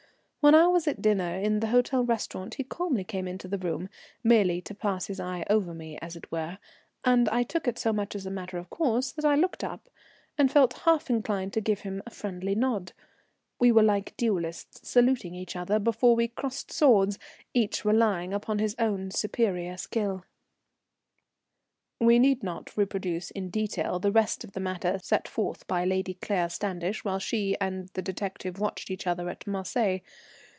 When I was at dinner in the hotel restaurant he calmly came into the room, merely to pass his eye over me as it were, and I took it so much as a matter of course that I looked up, and felt half inclined to give him a friendly nod. We were like duellists saluting each other before we crossed swords, each relying upon his own superior skill. [_We need not reproduce in detail the rest of the matters set forth by Lady Claire Standish while she and the detective watched each other at Marseilles.